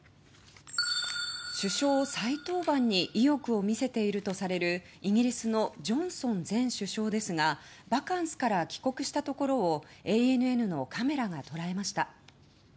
首相再登板に意欲を見せているとされるイギリスのジョンソン前首相ですがバカンスから帰国したところをＡＮＮのカメラが捉えました。